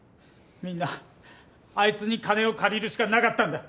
みんなあいつに金を借りるしかなかったんだ。